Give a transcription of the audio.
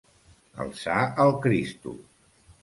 Alçar el Cristo.